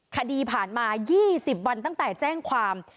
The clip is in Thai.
คดีผ่านมา๒๐วันตั้งแต่แจ้งความ